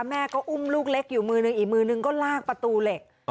แม่ก็อุ้มลูกเล็กอยู่มือนึงอีกมือนึงก็ลากประตูเหล็ก